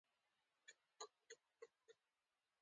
نبي کريم ص وفرمايل له جګړې ارزو مه کوئ.